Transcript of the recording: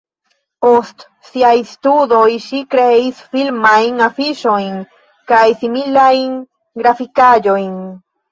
Post siaj studoj ŝi kreis filmajn afiŝojn kaj similajn grafikaĵojn.